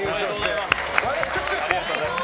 ありがとうございます。